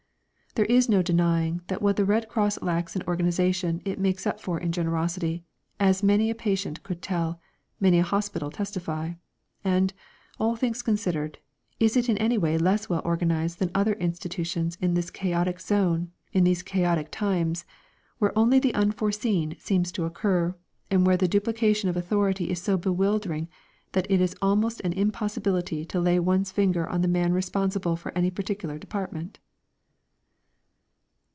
There is no denying that what the Red Cross lacks in organisation it makes up for in generosity, as many a patient could tell, many a hospital testify; and, all things considered, is it in any way less well organised than other institutions in this chaotic zone, in these chaotic times, where only the unforeseen seems to occur, and where the duplication of authority is so bewildering that it is almost an impossibility to lay one's finger on the man responsible for any particular department?